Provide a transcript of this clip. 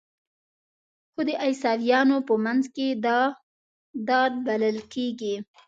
خو د عیسویانو په منځ کې دا د بلل کیږي.